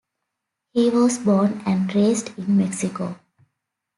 He was born and raised in Mexico.